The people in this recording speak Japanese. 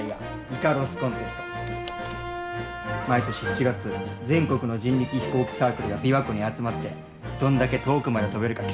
毎年７月全国の人力飛行機サークルが琵琶湖に集まってどんだけ遠くまで飛べるか競うんや。